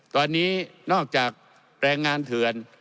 ตอนนี้นอกจากแรงงานเถื่อน